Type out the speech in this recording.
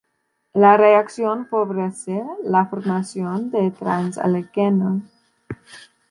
La reacción favorece la formación de trans-alquenos.